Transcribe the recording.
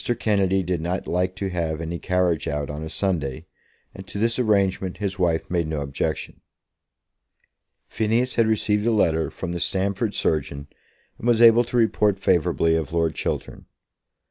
Kennedy did not like to have any carriage out on a Sunday, and to this arrangement his wife made no objection. Phineas had received a letter from the Stamford surgeon, and was able to report favourably of Lord Chiltern.